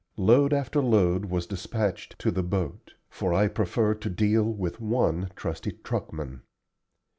Load after load was despatched to the boat, for I preferred to deal with one trusty truckman.